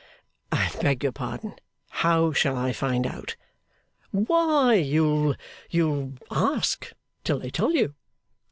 'I beg your pardon. How shall I find out?' 'Why, you'll you'll ask till they tell you.